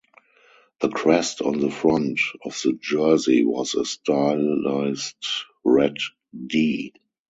The crest on the front of the jersey was a stylized red "D".